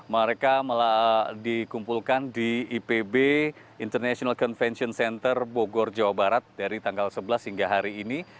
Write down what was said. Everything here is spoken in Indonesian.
mereka malah dikumpulkan di ipb international convention center bogor jawa barat dari tanggal sebelas hingga hari ini